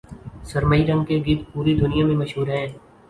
سرمئی رنگ کے گدھ پوری دنیا میں مشہور ہیں